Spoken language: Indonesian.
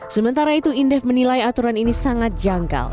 sementara itu indef menilai aturan ini sangat janggal